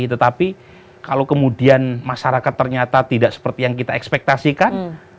tetapi kalau kemudian masyarakat ternyata tidak seperti yang kita ekspektasikan